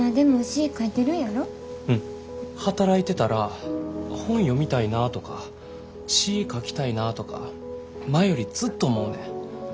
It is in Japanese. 働いてたら本読みたいなとか詩ぃ書きたいなぁとか前よりずっと思うねん。